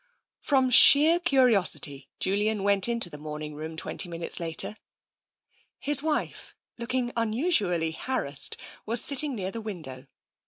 From sheer curiosity, Julian went into the morning room twenty minutes later. His wife, looking unusually harassed, was seated near the window.